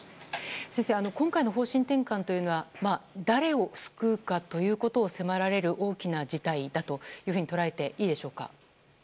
先生、今回の方針転換というのは誰を救うかということを迫られる大きな事態だと捉えていいでしょうか？